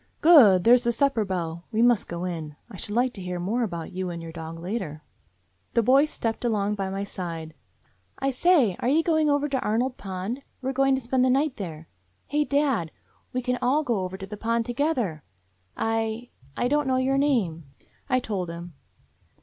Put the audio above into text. "Good! There's the supper bell. We must go in. I should like to hear more about you and your dog later." The boy stepped along by my side. "I say, are you going over to Arnold Pond? We 're going to spend the night there. Hey, dad, we can all go over to the Pond together. I — I don't know your name —" I told him.